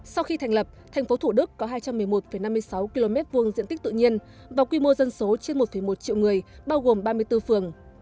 sau khi thành lập tp thủ đức có hai trăm một mươi một năm mươi sáu km hai diện tích tự nhiên và quy mô dân số trên một một triệu người bao gồm ba mươi bốn phường